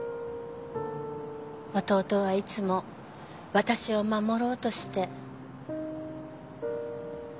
弟はいつも私を守ろうとして。